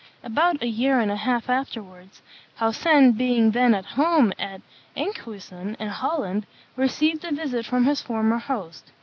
About a year and a half afterwards, Haussen being then at home at Enkhuysen, in Holland, received a visit from his former host.